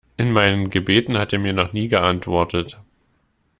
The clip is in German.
In meinen Gebeten hat er mir noch nie geantwortet.